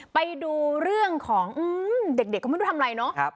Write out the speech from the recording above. ไปดูเรื่องของเด็กก็ไม่รู้ทำอะไรเนาะ